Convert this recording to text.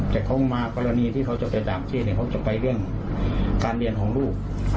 แต่เขามากรณีที่เขาจะไปต่างประเทศเขาจะไปเรื่องการเรียนของลูก